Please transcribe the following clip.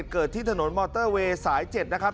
เกิดที่ถนนมอเตอร์เวย์สาย๗นะครับ